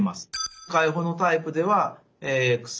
開放のタイプでは薬